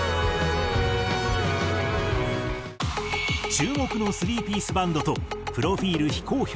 注目の３ピースバンドとプロフィール非公表